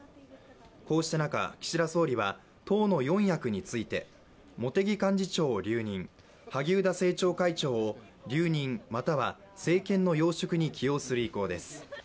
こうした中岸田総理は党の４役について、茂木幹事長を留任萩生田政調会長を留任または政権の要職に起用する意向です。